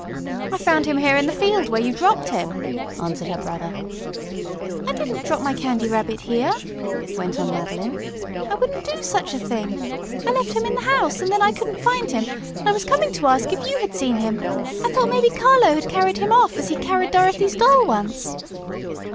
"I found him here in the field where you dropped him," answered her brother. "I didn't drop my Candy Rabbit here," went on Madeline. "I wouldn't do such a thing. I left him in the house, and then I couldn't find him, and I was coming to ask if you had seen him. I thought maybe Carlo had carried him off as he carried Dorothy's doll once."